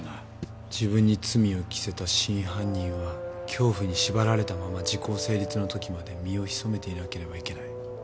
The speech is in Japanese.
「自分に罪を着せた真犯人は恐怖に縛られたまま時効成立のときまで身を潜めていなければいけない」